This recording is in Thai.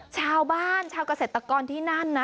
ชาวบ้านชาวกระเศรษฐกรที่นั่นนะ